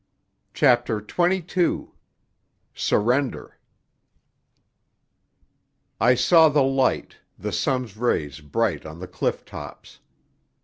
CHAPTER XXII SURRENDER I saw the light, the sun's rays bright on the cliff tops.